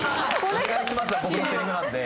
「お願いします」は僕のせりふなんで。